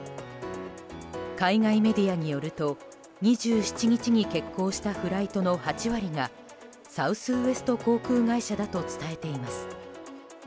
海外メディアによると２７日に欠航したフライトの８割がサウスウエスト航空会社だと伝えています。